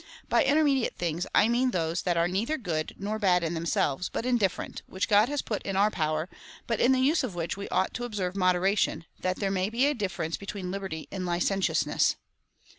By intermediate things, I mean those that are neither good nor bad in themselves, but indifferent, w^hich God has put in our power, but in the use of which we ought to observe moderation, that there may be a differ ence between liberty and licentiousness.